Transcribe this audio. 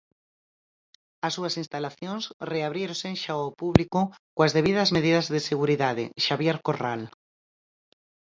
As súas instalacións reabríronse xa ao público coas debidas medidas de seguridade, Xabier Corral.